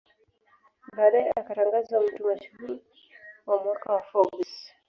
Baadae akatangazwa mtu mashuhuri wa mwaka wa Forbes